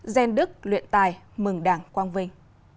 gen đức luyện tài mừng đảng quang vinh